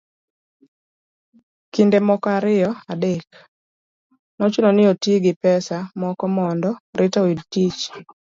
kinde moko ariyo adek nochuno ni oti gi pesa moko mondo Rita oyud tich